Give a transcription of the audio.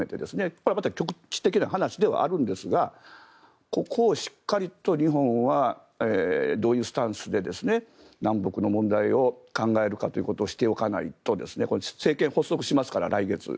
これは局地的な話ではあるんですがここをしっかりと日本はどういうスタンスで南北の問題を考えるかということをしておかないと政権発足しますから、来月。